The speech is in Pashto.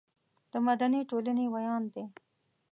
د مدني ټولنې ویاند دی.